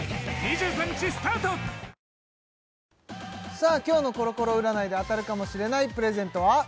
さあ今日のコロコロ占いで当たるかもしれないプレゼントは？